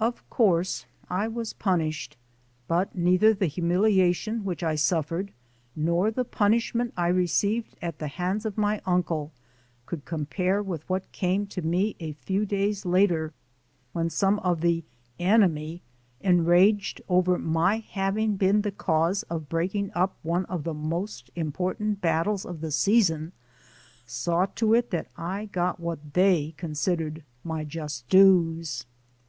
Of course I was punished, but neither the humiliation which I suffered nor the punishment I received at the hands of my uncle could compare with what THE CALL OF THE SEA 39 came to me a few days later, when some of the "enemy," enraged over my having been the cause of breaking up one of the most important battles of the season, saw to it that I got what they con sidered my just dues.